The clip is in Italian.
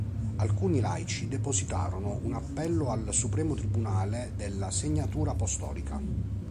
Alcuni laici depositarono un appello al Supremo tribunale della Segnatura apostolica.